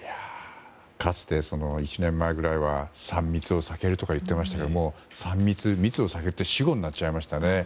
かつて、１年前ぐらいは３密を避けるとか言っていましたがもう密を避けるって死語になっちゃいましたね。